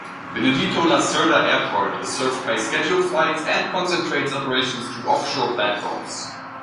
Benedito Lacerda Airport is served by scheduled flights and concentrates operations to off-shore platforms.